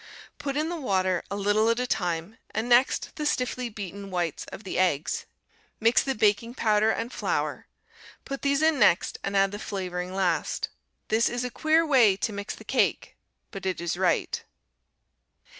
Put in the water, a little at a time, and next the stiffly beaten whites of the eggs. Mix the baking powder and flour, put these in next, and add the flavoring last. This is a queer way to mix the cake, but it is right.